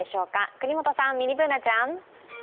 國本さん、ミニＢｏｏｎａちゃん。